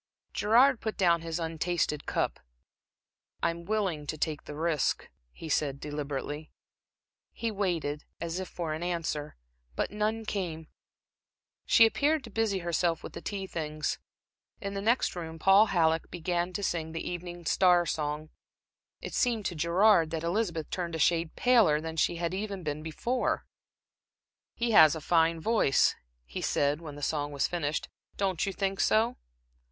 Gerard put down his untasted cup. "I'm willing to take the risk," he said, deliberately. He waited, as if for an answer, but none came. She appeared to busy herself with the tea things. In the next room Paul Halleck began to sing the Evening Star song. It seemed to Gerard that Elizabeth turned a shade paler than she had been before. "He has a fine voice," he said, when the song was finished. "Don't you think so?"